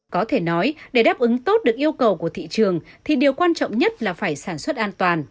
có thể nói để đáp ứng tốt được yêu cầu của thị trường thì điều quan trọng nhất là phải sản xuất an toàn